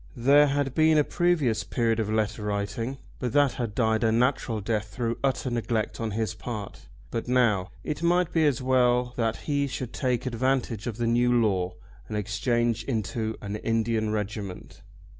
There had been a previous period of letter writing, but that had died a natural death through utter neglect on his part. But now . It might be as well that he should take advantage of the new law and exchange into an Indian regiment.